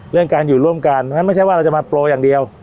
เรื่องการอยู่ร่วมกันเพราะฉะนั้นไม่ใช่ว่าเราจะมาโปรอย่างเดียว